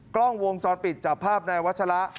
กล้องวงจรปิดจับภาพนายวัชละ